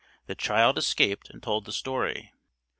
The child escaped and told the story.